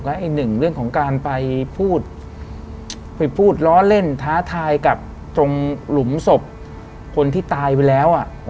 และอีกหนึ่งเรื่องของการไปพูดไปพูดล้อเล่นท้าทายกับตรงหลุมศพคนที่ตายไปแล้ว